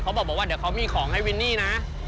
เขาบอกว่าเดี๋ยวเขามีของให้วินนี่นะ